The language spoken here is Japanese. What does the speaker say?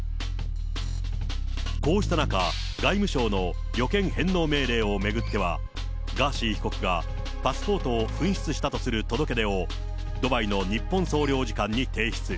こうした中、外務省の旅券返納命令を巡っては、ガーシー被告がパスポートを紛失したとする届け出をドバイの日本総領事館に提出。